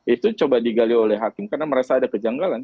itu coba digali oleh hakim karena merasa ada kejanggalan